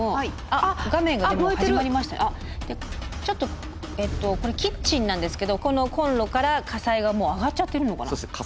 ちょっとこれキッチンなんですけどこのコンロから火災がもう上がっちゃってるのかな。